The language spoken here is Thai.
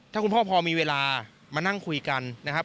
ถ้าคุณพ่อพอมีเวลามานั่งคุยกันนะครับ